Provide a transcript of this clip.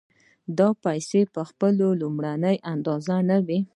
دا پیسې په خپله لومړنۍ اندازه نه وي